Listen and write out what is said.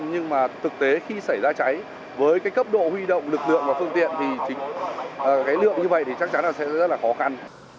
nhưng mà thực tế khi xảy ra cháy với cái cấp độ huy động lực lượng và phương tiện thì cái lượng như vậy thì chắc chắn là sẽ rất là khó khăn